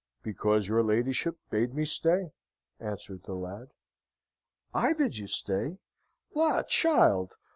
"Because your ladyship bade me stay," answered the lad. "I bid you stay! La! child!